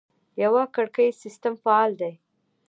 د یوه کړکۍ سیستم فعال دی؟